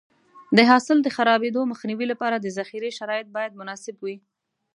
د حاصل د خرابېدو مخنیوي لپاره د ذخیرې شرایط باید مناسب وي.